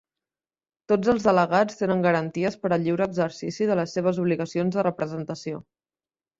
Tots els delegats tenen garanties per al lliure exercici de les seves obligacions de representació.